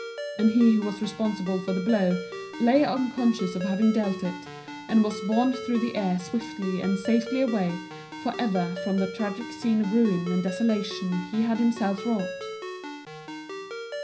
And he who was responsible for the blow lay unconscious of having dealt it, and was borne through the air swiftly and safely away for ever from the tragic scene of the ruin and desolation he had himself wrought.